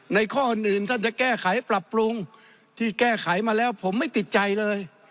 ข้ออื่นท่านจะแก้ไขปรับปรุงที่แก้ไขมาแล้วผมไม่ติดใจเลย